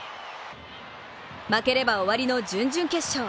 負ければ終わりの準々決勝。